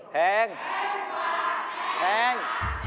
แพง